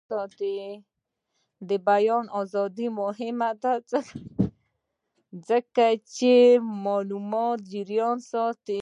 د بیان ازادي مهمه ده ځکه چې د معلوماتو جریان ساتي.